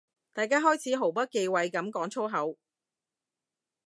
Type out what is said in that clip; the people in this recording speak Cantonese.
大家開始毫不忌諱噉講粗口